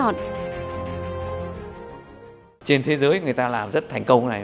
trên thế giới người ta làm rất thành công này